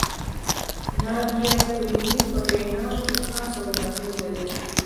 ندائیه کلیمې په ویناوو کښي خاص او ځانګړی دریځ لري.